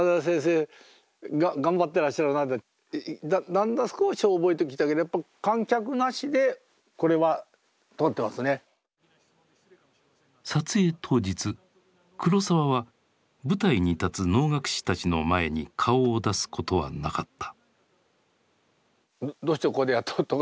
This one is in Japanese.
だんだん少し覚えてきたけど撮影当日黒澤は舞台に立つ能楽師たちの前に顔を出すことはなかった。